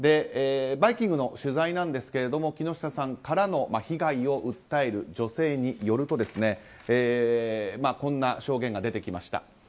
「バイキング」の取材なんですが木下さんからの被害を訴える女性によるとこんな証言が出てきました。